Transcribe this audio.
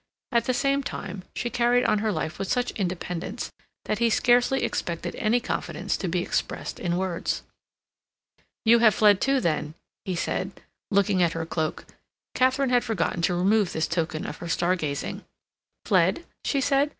At the same time, she carried on her life with such independence that he scarcely expected any confidence to be expressed in words. "You have fled, too, then?" he said, looking at her cloak. Katharine had forgotten to remove this token of her star gazing. "Fled?" she asked.